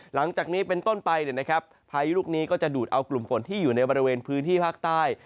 หลังจากนี้เป็นต้นไปพายุลูกนี้ก็จะดูดเอากลุ่มฝนที่อยู่ในบริเวณพื้นที่ภาคใต้